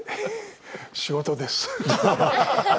仕事です。